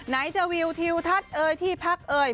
ไหนจะวิวทิวทัศน์เอ่ยที่พักเอ่ย